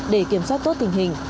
để kiểm soát tốt tình hình